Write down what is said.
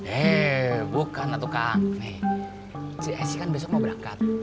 eh bukan lah tukang nih cee esi kan besok mau berangkat